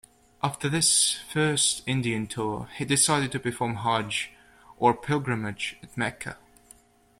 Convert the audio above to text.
After this first Indian tour, he decided to perform Hajj or pilgrimage at Mecca.